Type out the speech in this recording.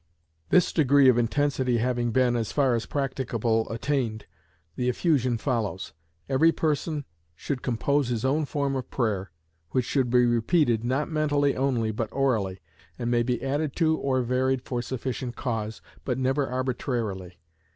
This degree of intensity having been, as far as practicable, attained, the effusion follows. Every person should compose his own form of prayer, which should be repeated not mentally only, but orally, and may be added to or varied for sufficient cause, but never arbitrarily.